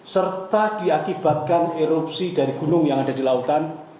serta diakibatkan erupsi dari gunung yang ada di lautan